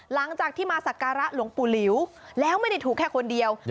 หลังจากที่มาสักการะหลวงปู่หลิวแล้วไม่ได้ถูกแค่คนเดียว